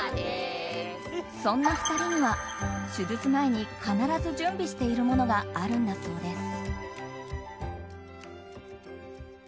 そんな２人には、手術前に必ず準備しているものがあるんだそうです。